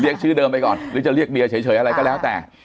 ชื่อเดิมไปก่อนหรือจะเรียกเดียเฉยอะไรก็แล้วแต่